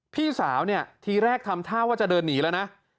พี่สาวเนี่ยทีแรกทำท่าว่าจะเดินหนีแล้วนะ